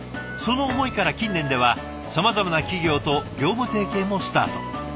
その思いから近年ではさまざまな企業と業務提携もスタート。